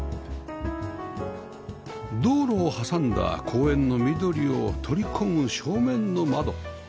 道路を挟んだ公園の緑を取り込む正面の窓